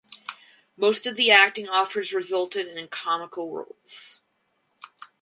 Most of the acting offers resulted in comical roles.